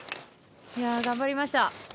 頑張りました。